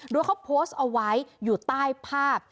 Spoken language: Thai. โดยเขาโพสต์เอาไว้อยู่ใต้ภาพ